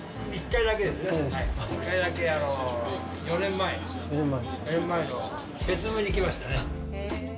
１回だけ、４年前、４年前の節分に来ましたね。